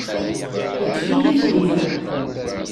Yeṭṭef-iyi-ten-id.